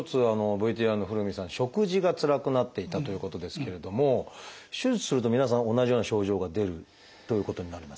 ＶＴＲの古海さん食事がつらくなっていたということですけれども手術すると皆さん同じような症状が出るということになりますか？